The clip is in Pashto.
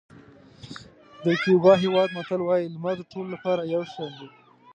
د کیوبا هېواد متل وایي لمر د ټولو لپاره یو شان دی.